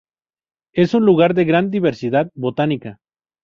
Es un lugar de gran diversidad botánica.